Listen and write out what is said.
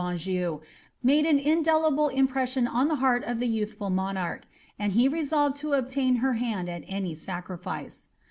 ^ajoii, made an indelible impression on the heart of the yauiliful monarcli, sod he resolveil to obtain her hand at any sacrifice.